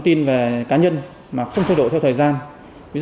qua các app online